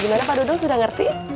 gimana padudung sudah ngerti